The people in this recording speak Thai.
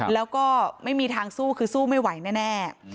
แล้วก็ไม่มีทางสู้คือสู้ไม่ไหวแน่